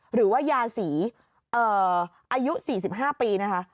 หรือว่ายาศรีเอ่ออายุสี่สิบห้าปีนะคะ